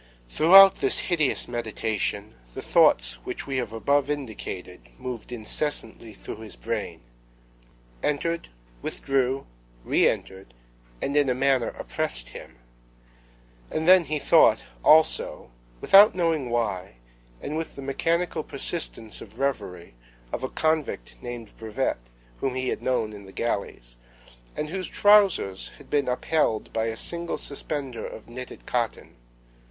Throughout this hideous meditation, the thoughts which we have above indicated moved incessantly through his brain; entered, withdrew, re entered, and in a manner oppressed him; and then he thought, also, without knowing why, and with the mechanical persistence of reverie, of a convict named Brevet, whom he had known in the galleys, and whose trousers had been upheld by a single suspender of knitted cotton.